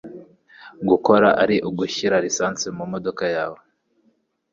gukora ari ugushyira lisansi mumodoka yawe